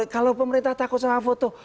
kalau pemerintah takut sama foto